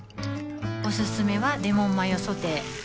おすすめはレモンマヨソテー